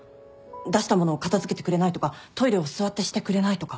出した物を片付けてくれないとかトイレを座ってしてくれないとか。